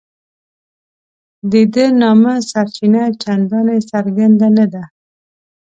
د دې نامه سرچینه چنداني څرګنده نه ده.